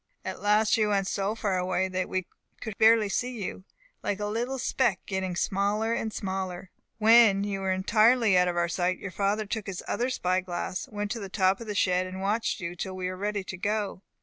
At last you went so far away that we could barely see you, like a little speck, getting smaller and smaller. When you were entirely out of our sight, your father took his other spy glass, went on top of the shed, and watched you till we were ready to go.